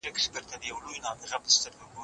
افغانان د خپلو مشرانو لارښوونې عملي کړې.